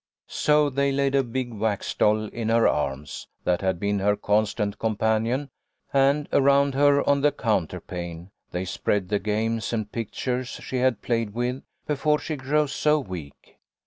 So they laid a big wax doll in her arms, that had been her constant companion, and around her on the counterpane they spread the games and pictures she had played with before she grew so weak.